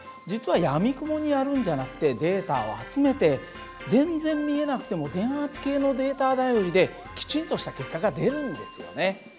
実はやみくもにやるんじゃなくてデータを集めて全然見えなくても電圧計のデータ頼りできちんとした結果が出るんですよね。